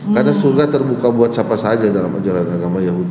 karena surga terbuka buat siapa saja dalam ajaran agama yahudi